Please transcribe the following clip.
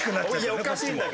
いやおかしいんだけどね。